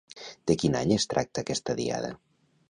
De quin any es tracta aquesta Diada?